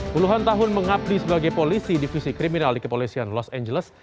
puluhan tahun mengabdi sebagai polisi divisi kriminal di kepolisian los angeles